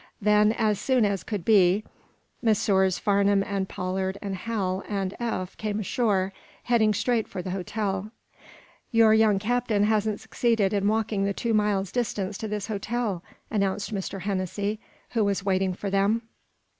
Then, as soon as could be, Messrs. Farnum and Pollard and Hal and Eph came ashore, heading straight for the hotel. "Your young captain hasn't succeeded in walking the two miles' distance to this hotel," announced Mr. Hennessy, who was waiting for them.